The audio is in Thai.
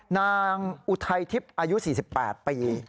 อุทัยทิพย์อายุ๔๘ปี